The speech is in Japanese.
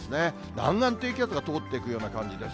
南岸低気圧が通っていくような感じです。